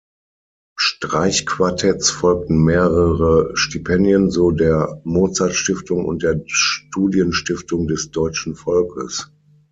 Streichquartetts folgten mehrere Stipendien, so der Mozart-Stiftung und der Studienstiftung des Deutschen Volkes.